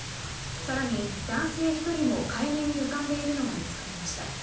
更に男性１人も海面に浮かんでいるのが見つかりました。